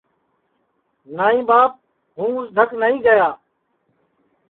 نائی ٻاپ ہوں اُس دھک نائی گئیا